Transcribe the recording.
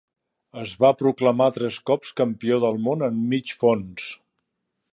Es va proclamar tres cops Campió del món de mig fons.